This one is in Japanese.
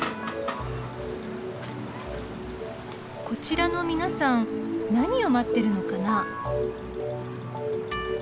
こちらの皆さん何を待ってるのかな？